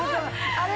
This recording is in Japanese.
あれ？